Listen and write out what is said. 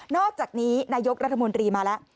อกจากนี้นายกรัฐมนตรีมาแล้ว